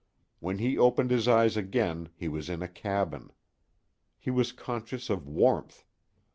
When he opened his eyes again he was in a cabin. He was conscious of warmth.